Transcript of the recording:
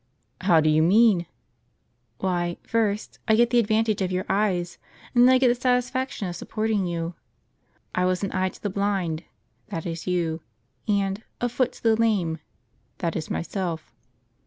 " How do you mean ?" "Why, first, I get the advantage of your eyes, and then I get the satisfaction of supporting you. ' I was an eye to the blind,' that is you; and 'a foot to the lame,' that is myself."